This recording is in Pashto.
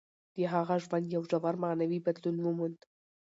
د هغه ژوند یو ژور معنوي بدلون وموند.